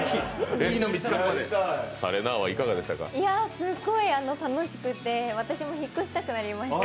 すごい楽しくて、私も引っ越したくなりました。